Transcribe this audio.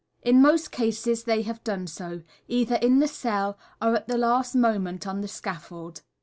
In most cases they have done so, either in the cell, or at the last moment on the scaffold.